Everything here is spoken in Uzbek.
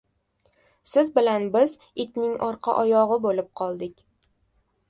— Siz bilan biz itning orqa oyog‘i bo‘lib qoldik.